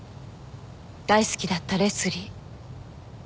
大好きだったレスリー。